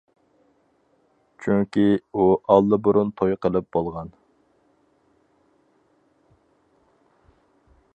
چۈنكى ئۇ ئاللىبۇرۇن توي قىلىپ بولغان.